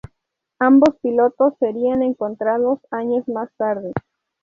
Ambos pilotos serian encontrados años más tarde.